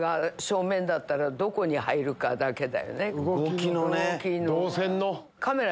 動きのね。